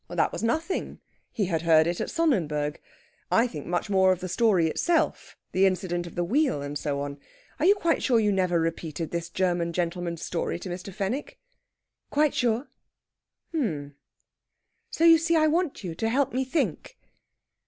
"That was nothing. He had heard it at Sonnenberg. I think much more of the story itself; the incident of the wheel and so on. Are you quite sure you never repeated this German gentleman's story to Mr. Fenwick?" "Quite sure." "H'm...!" "So, you see, I want you to help me to think."